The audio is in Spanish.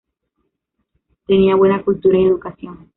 Tenía buena cultura y educación.